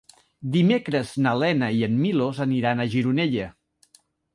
Dimecres na Lena i en Milos aniran a Gironella.